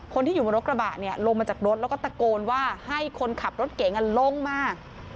คนที่อยู่บนรถกระบะเนี่ยลงมาจากรถแล้วก็ตะโกนว่าให้คนขับรถเก๋งลงมา